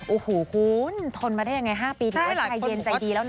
โอ้โหคุณทนมาได้ยังไง๕ปีถือว่าใจเย็นใจดีแล้วนะ